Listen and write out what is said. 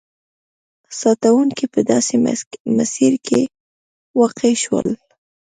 ساتونکي په داسې مسیر کې واقع شول.